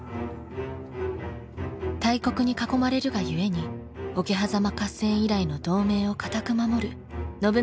大国に囲まれるがゆえに桶狭間合戦以来の同盟を堅く守る信長と家康。